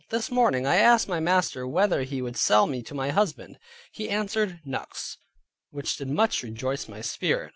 This morning I asked my master whether he would sell me to my husband. He answered me "Nux," which did much rejoice my spirit.